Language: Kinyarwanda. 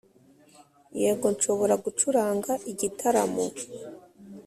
yego nshobora gucuranga igitaramo